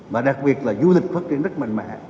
và đặc biệt là du lịch phát triển rất mạnh mẽ